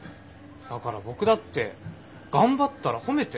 だから僕だって頑張ったら褒めてあげたくて。